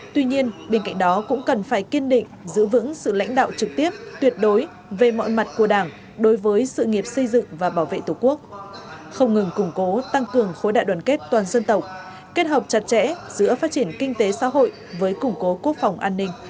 tuy nhiên bên cạnh đó cũng cần phải kiên định giữ vững sự lãnh đạo trực tiếp tuyệt đối về mọi mặt của đảng đối với sự nghiệp xây dựng và bảo vệ tổ quốc không ngừng củng cố tăng cường khối đại đoàn kết toàn dân tộc kết hợp chặt chẽ giữa phát triển kinh tế xã hội với củng cố quốc phòng an ninh